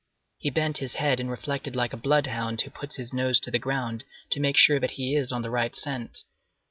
He bent his head and reflected like a blood hound who puts his nose to the ground to make sure that he is on the right scent.